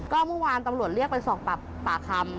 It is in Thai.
ก็เมื่อวานตำรวจเรียกไปสอบปากคำ